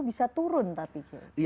bisa turun tapi